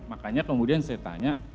makanya kemudian saya tanya